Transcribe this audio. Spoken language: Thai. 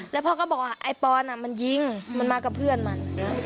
แล้วพ่อก็บอกว่าไอ้ปอนมันยิงมันมากับเพื่อนมัน